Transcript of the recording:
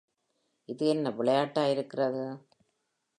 இது என்ன விளையாட்டா இருக்கிறது?